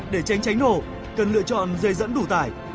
để tránh cháy nổ cần lựa chọn dây dẫn đủ tải